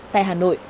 tại hà nội